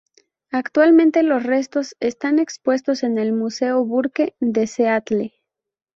Actualmente los restos están expuestos en el Museo Burke de Seattle.